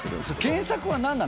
検索は何なの？